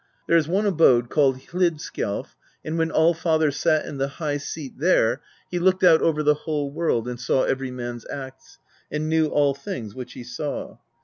There is one abode called Hlidskjalf, and when Allfather sat in the high seat there, he looked out over the whole world and saw every man's acts, and knew all things which he saw.